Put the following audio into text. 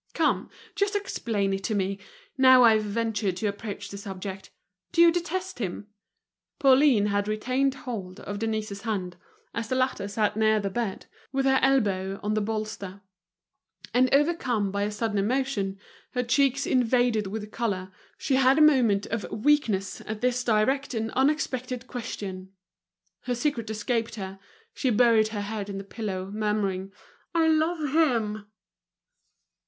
Come, just explain it to me, now I've ventured to approach the subject. Do you detest him?" Pauline had retained hold of Denise's hand, as the latter sat near the bed, with her elbow on the bolster; and overcome by a sudden emotion, her cheeks invaded with color, she had a moment of weakness at this direct and unexpected question. Her secret escaped her, she buried her head in the pillow, murmuring: "I love him!"